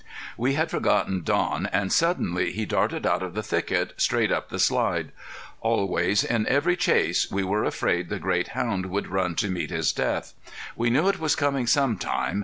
We had forgotten Don and suddenly he darted out of the thicket, straight up the slide. Always, in every chase, we were afraid the great hound would run to meet his death. We knew it was coming sometime.